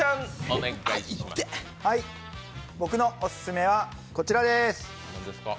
僕のオススメはこちらです。